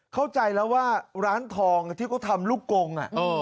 เข้าใจแล้วว่าร้านทองที่เขาทำลูกกง